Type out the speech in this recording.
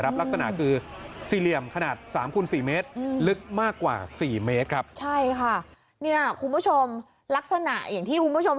รับลักษณะคือซีเหลี่ยมขนาด๓คุณ๔เมตร